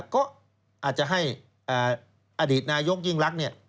ก็อาจจะให้อดีตนายกยิ่งรักเนี่ย